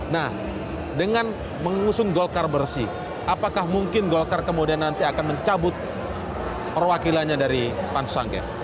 nah dengan mengusung golkar bersih apakah mungkin golkar kemudian nanti akan mencabut perwakilannya dari pansus angket